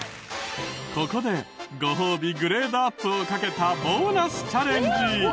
ここでご褒美グレードアップをかけたボーナスチャレンジ。